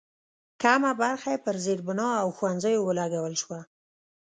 کمه برخه یې پر زېربنا او ښوونځیو ولګول شوه.